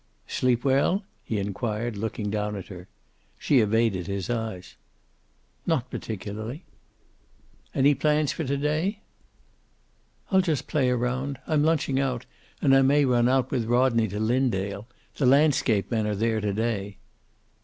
"Sleep well?" he inquired, looking down at her. She evaded his eyes. "Not particularly." "Any plans for to day?" "I'll just play around. I'm lunching out, and I may run out with Rodney to Linndale. The landscape men are there today."